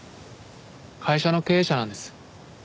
会社の経営者なんです。